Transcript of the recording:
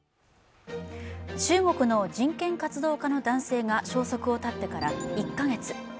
中国の人権活動家の男性が消息を絶ってから１カ月。